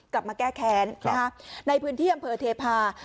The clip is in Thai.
กลับมาแก้แค้นในพื้นที่อำเภอเทพา